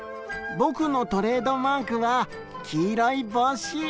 ぼくのトレードマークは黄色い帽子。